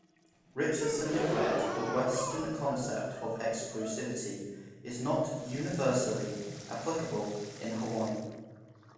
Richardson declared, The western concept of exclusivity is not universally applicable in Hawaii.